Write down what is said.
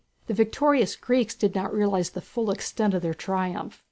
The victorious Greeks did not realize the full extent of their triumph.